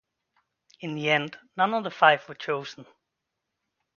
In the end none of the five were chosen.